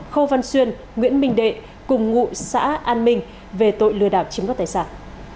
khâu văn xuyên nguyễn minh đệ cùng ngụ xã an minh về tội lừa đảo chiếm đoạt tài sản